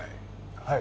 はい。